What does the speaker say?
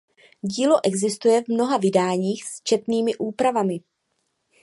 Dílo existuje v mnoha vydáních s četnými úpravami.